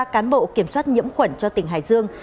ba cán bộ kiểm soát nhiễm khuẩn cho tỉnh hải dương